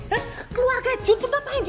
he keluarga jun tuh ngapain